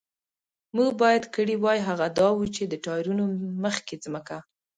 موږ باید کړي وای، هغه دا و، چې د ټایرونو مخکې ځمکه.